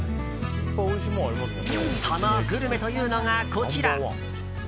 そのグルメというのが、こちら。